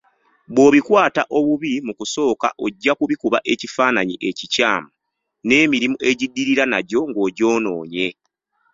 Bw'obikwata obubi mu kusooka ojja kubikuba ekifaananyi ekikyamu, n'emirimu egiddirira nagyo ng'ogyonoonye.